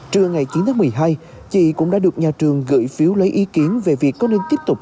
trưa ngày chín tháng một mươi hai chị cũng đã được nhà trường gửi phiếu lấy ý kiến về việc có nên tiếp tục